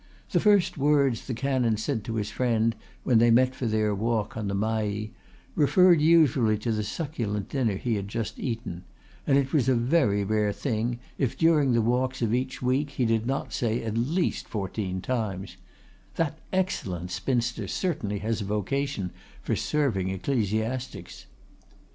The first words the canon said to his friend when they met for their walk on the Mail referred usually to the succulent dinner he had just eaten; and it was a very rare thing if during the walks of each week he did not say at least fourteen times, "That excellent spinster certainly has a vocation for serving ecclesiastics."